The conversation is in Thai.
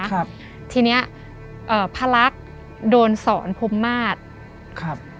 ครับทีเนี้ยเอ่อพระลักษณ์โดนสอนพรมมาศครับ